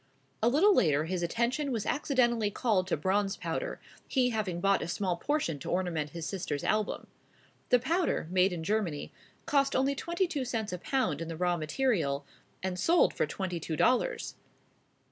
A little later his attention was accidentally called to bronze powder, he having bought a small portion to ornament his sister's album. The powder, made in Germany, cost only twenty two cents a pound in the raw material, and sold for twenty two dollars.